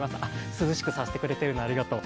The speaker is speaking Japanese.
涼しくさせてくれてるの、ありがとう。